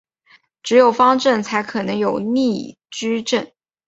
只有方阵才可能有逆矩阵。